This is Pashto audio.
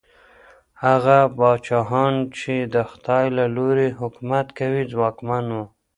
هغه پاچاهان چي د خدای له لورې حکومت کوي، ځواکمن وو.